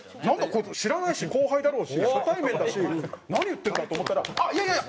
こいつ知らないし後輩だろうし初対面だし何言ってんだ？と思ったら「あっいやいやいや！